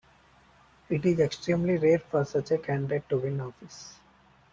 It is extremely rare for such a candidate to win office.